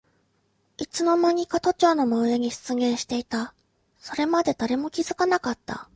いつのまにか都庁の真上に出現していた。それまで誰も気づかなかった。